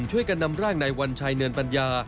ช่วยกันนำร่างนายวัญชัยเนินปัญญา